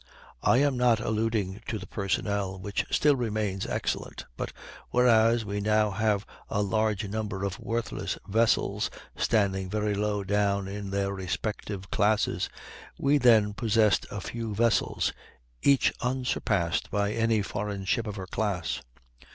I am not alluding to the personnel, which still remains excellent; but, whereas we now have a large number of worthless vessels, standing very low down in their respective classes, we then possessed a few vessels, each unsurpassed by any foreign ship of her class.